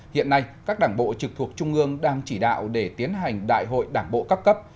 hiện nay các đảng bộ trực thuộc trung ương đang chỉ đạo để tiến hành đại hội đảng bộ các cấp